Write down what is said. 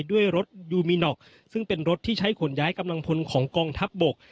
ด้วยรถยูมินอกซึ่งเป็นรถที่ใช้ขนย้ายกำลังพลของกองทัพบก